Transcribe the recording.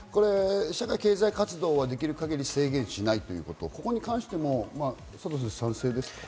社会経済活動はできる限り制限しないということ、ここに関しても、賛成ですか？